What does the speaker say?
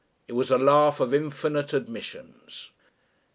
It was a laugh of infinite admissions.